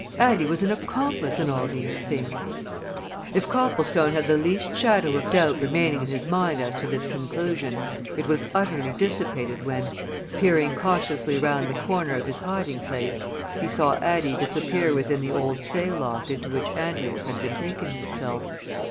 Addie was an accomplice in all these things! If Copplestone had the least shadow of doubt remaining in his mind as to this conclusion, it was utterly dissipated when, peering cautiously round the corner of his hiding place, he saw Addie disappear within the old sail loft into which Andrius had betaken himself.